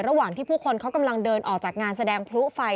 ระหว่างที่ผู้คนเขากำลังเดินออกจากงานแสดงพลุไฟ